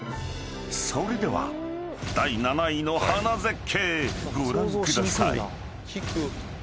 ［それでは第７位の花絶景ご覧ください］